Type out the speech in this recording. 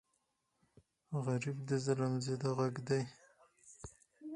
غریب د ظلم ضد غږ دی